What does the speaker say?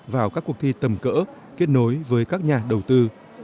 vào các cuộc thi tầm cỡ kết nối với các nhà đầu tư